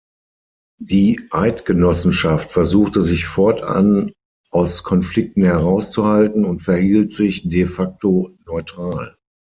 Die Eidgenossenschaft versuchte sich fortan aus Konflikten herauszuhalten und verhielt sich de facto neutral.